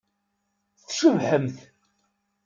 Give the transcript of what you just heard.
Tcebḥemt.